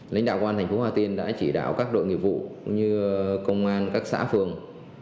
lãnh đạo quân thành phố hoa tiên đã chỉ đạo các đội nghiệp vụ như công an các xã phường